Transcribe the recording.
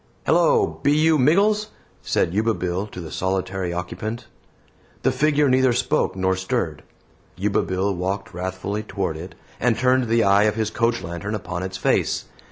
"Hello, be you Miggles?" said Yuba Bill to the solitary occupant. The figure neither spoke nor stirred. Yuba Bill walked wrathfully toward it, and turned the eye of his coach lantern upon its face.